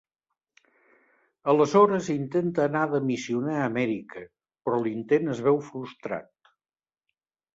Aleshores intenta anar de missioner a Amèrica, però l'intent es veu frustrat.